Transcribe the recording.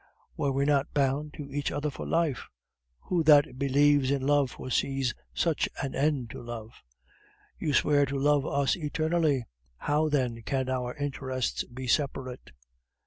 Were we not bound to each other for life? Who that believes in love foresees such an end to love? You swear to love us eternally; how, then, can our interests be separate?